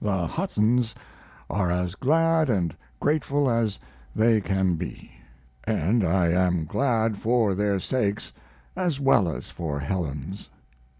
The Huttons are as glad & grateful as they can be, & I am glad for their sakes as well as for Helen's.